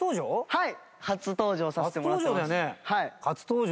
はい。